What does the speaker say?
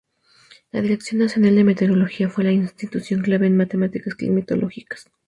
La Dirección Nacional de Meteorología fue la institución clave en temáticas climatológicas.